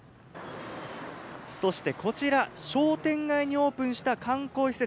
そして、商店街にオープンした観光施設